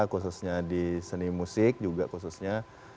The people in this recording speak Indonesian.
khususnya di seni musik juga khususnya